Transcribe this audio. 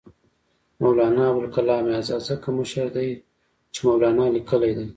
مولنا ابوالکلام آزاد ځکه مشر دی چې مولنا لیکلی دی.